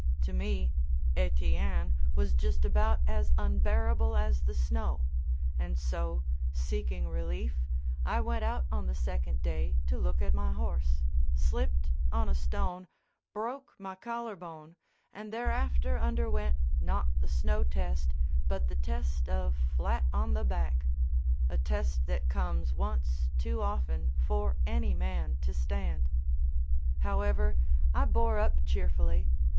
To me, Etienne was just about as unbearable as the snow; and so, seeking relief, I went out on the second day to look at my horse, slipped on a stone, broke my collarbone, and thereafter underwent not the snow test, but the test of flat on the back. A test that comes once too often for any man to stand. However, I bore up cheerfully.